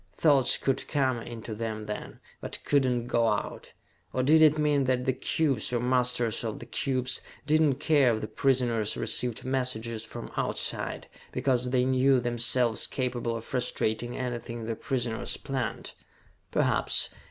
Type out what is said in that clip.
Thoughts could come in to them then, but could not go out. Or did it mean that the cubes, or the masters of the cubes, did not care if the prisoners received messages from outside, because they knew themselves capable of frustrating anything the prisoners planned? Perhaps.